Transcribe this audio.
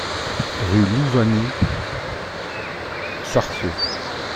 Rue Louvagny, Sarceaux